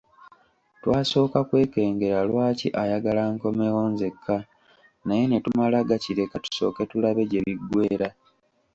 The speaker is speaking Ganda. Twasooka kwekengera lwaki ayagala nkomewo nzekka naye ne tumala gakireka tusooke tulabe gye biggweera.